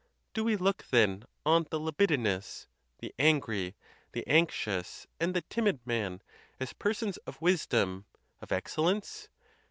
Do we look, then, on the libidinous, the angry, the anxious, and the timid man, as persons of wisdom, of excellence?